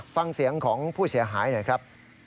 ฟังเสียงของผู้เสียหายหน่อยครับ